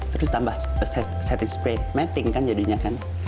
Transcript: terus tambah setting sprate matting kan jadinya kan